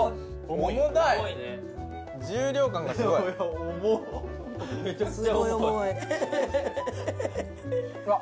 重量感がすごい・重っ！